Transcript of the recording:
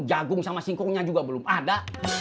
jagung sama singkongnya juga belum ada